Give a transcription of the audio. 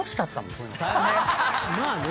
まあね。